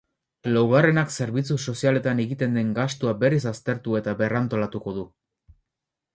Laugarrenak zerbitzu sozialetan egiten den gastua berriz aztertu eta berrantolatuko du.